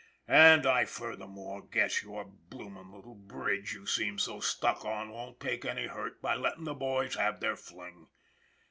" And I furthermore guess your bloomin' little bridge you seem so stuck on won't take any hurt by lettin' the boys have their fling.